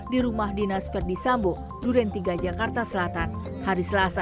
di rumah dinas verdi sambo duren tiga jakarta selatan hari selasa